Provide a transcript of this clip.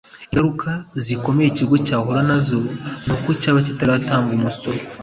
ingaruka zikomeye ikigo cyahura nazo nuko cyaba kitaratanga umusoro